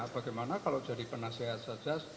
bagaimana kalau jadi penasehat saja